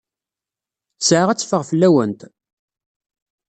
Ttesɛa ad teffeɣ fell-awent?